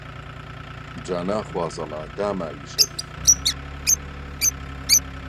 جا نەخوازەڵا داماوی شەریف